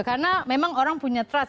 karena memang orang punya trust